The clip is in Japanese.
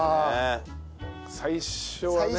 最初はね。